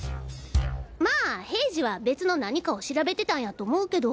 まあ平次は別の何かを調べてたんやと思うけど。